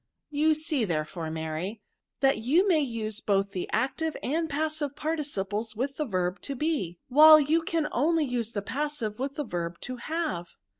You see, therefore, Mary, that you may use both the active and passive participles with the verb to be, while you can only use the passive with the verb to have."